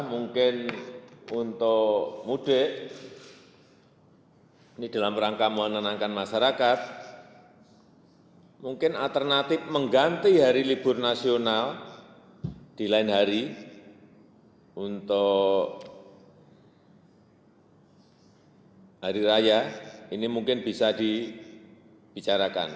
untuk hari raya ini mungkin bisa dibicarakan